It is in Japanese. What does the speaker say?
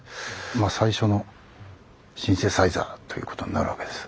まあ最初のシンセサイザーということになるわけです。